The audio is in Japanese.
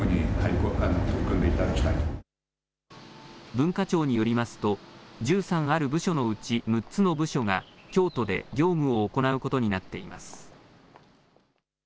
文化庁によりますと１３ある部署のうち６つの部署が京都で業務を行うことになっています。